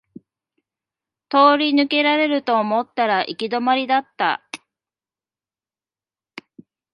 通り抜けられると思ったら行き止まりだった